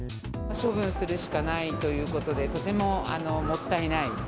処分するしかないということで、とてももったいない。